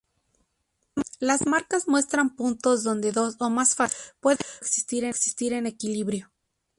Las marcas muestran puntos donde dos o más fases pueden coexistir en equilibrio.